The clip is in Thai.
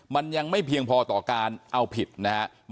มันยังไม่เพียงพอต่อการเอาผิดนะครับ